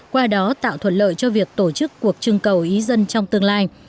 qua đó tạo thuận lợi cho việc tổ chức cuộc trưng cầu ý dân trong tương lai